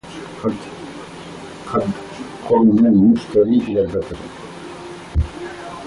قد قرن المشتري إلى البدر